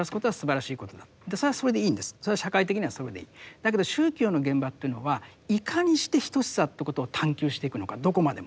だけど宗教の現場というのはいかにして等しさということを探究していくのかどこまでも。